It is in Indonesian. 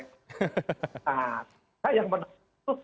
nah saya yang menarik itu